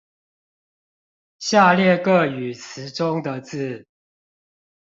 下列各語詞中的字